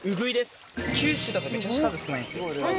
九州とかめちゃくちゃ数少ないんですよ。